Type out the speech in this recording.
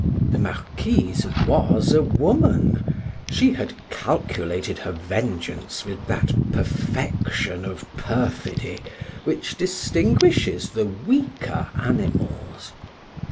The Marquise was a woman; she had calculated her vengeance with that perfection of perfidy which distinguishes the weaker animals.